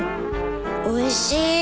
おいしい。